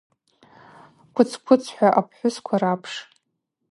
Квыц-квыц – хӏва апхӏвысква рапш.